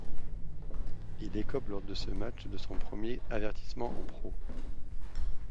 Il écope lors de ce match de son premier avertissement en pro.